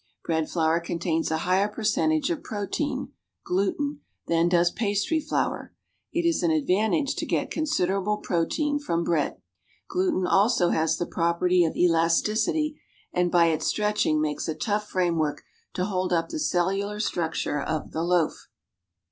Bread flour contains a higher percentage of pro tein (gluten) than does pastry flour; it is an advantage to get considerable protein from bread. Gluten also has the property of elasticity and by its stretching makes a tough framework to hold up the cellular structure of the loaf.